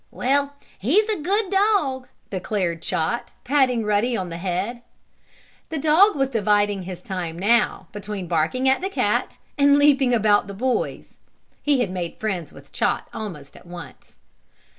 "Well, he's a good dog," declared Chot, patting Ruddy on the head. The dog was dividing his time, now, between barking at the cat and leaping about the boys. He had made friends with Chot almost at once.